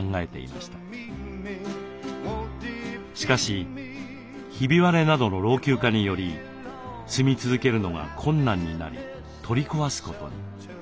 しかしひび割れなどの老朽化により住み続けるのが困難になり取り壊すことに。